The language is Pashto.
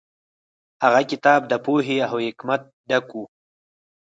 هغه کتاب د پوهې او حکمت ډک و.